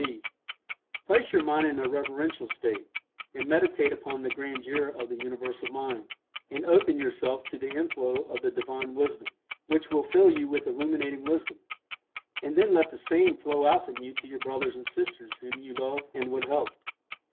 (b) Place your mind in a reverential state, and meditate upon the grandeur of the Universal Mind, and open yourself to the inflow of the Divine Wisdom, which will fill you with illuminating wisdom, and then let the same flow out from you to your brothers and sisters whom you love and would help.